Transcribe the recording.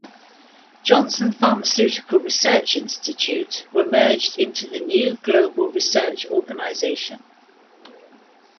Johnson Pharmaceutical Research Institute were merged into the new global research organization.